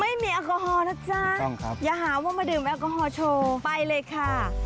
ไม่มีแอลกอฮอลนะจ๊ะอย่าหาว่ามาดื่มแอลกอฮอลโชว์ไปเลยค่ะ